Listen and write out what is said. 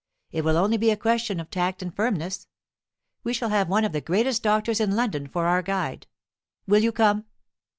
It will only be a question of tact and firmness. We shall have one of the greatest doctors in London for our guide. Will you come?"